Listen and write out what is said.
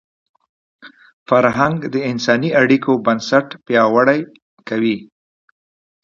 فرهنګ د انساني اړیکو بنسټ پیاوړی کوي.